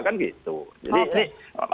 kan gitu jadi ini